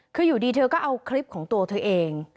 คืออยู่ดีเธอก็เอาคลิปของตัวเธอเอง